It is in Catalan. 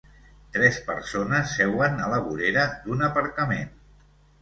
Tres persones seuen a la vorera d'un aparcament.